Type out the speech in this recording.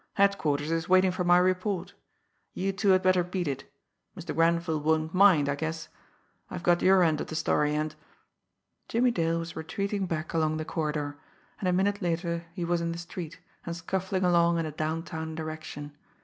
Headquarters is waiting for my report. You two had better beat it; Mr. Grenville won't mind, I guess I've got your end of the story, and " Jimmie Dale was retreating back along the corridor and a minute later he was in the street, and scuffling along in a downtown direction.